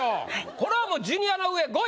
これはもうジュニアの上５位。